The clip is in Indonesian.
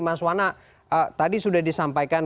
mas wana tadi sudah disampaikan